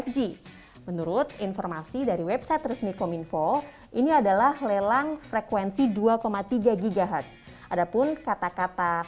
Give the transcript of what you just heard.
lima g menurut informasi dari website resmi kominfo ini adalah lelang frekuensi dua tiga ghz ada pun kata kata